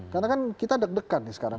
karena kan kita deg degan nih sekarang